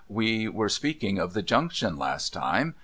We were speaking of the Junction last time.